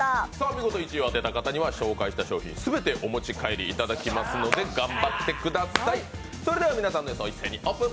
見事１位を当てた方には紹介した商品すべてお持ち帰りいただきますので頑張ってください。